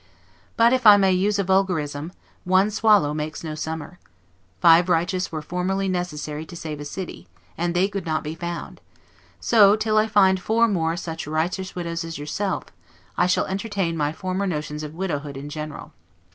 But (if I may use a vulgarism) one swallow makes no summer: five righteous were formerly necessary to save a city, and they could not be found; so, till I find four more such righteous widows as yourself, I shall entertain my former notions of widowhood in general.